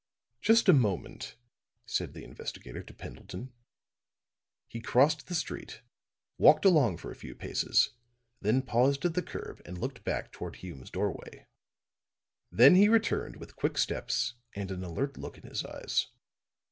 "Just a moment," said the investigator to Pendleton. He crossed the street, walked along for a few paces, then paused at the curb and looked back toward Hume's doorway. Then he returned with quick steps and an alert look in his eyes.